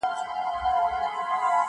که به ډنډ ته د سېلۍ په زور رسېږم!